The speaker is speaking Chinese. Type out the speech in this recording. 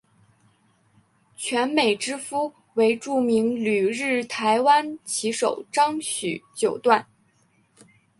泉美之夫为著名旅日台湾棋手张栩九段。